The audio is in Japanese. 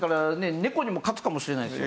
猫にも勝つかもしれないですよ。